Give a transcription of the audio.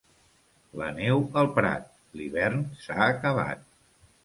La neu al prat, l'hivern s'ha acabat.